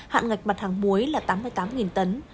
hạn ngạch mặt hàng muối là tám mươi tám tấn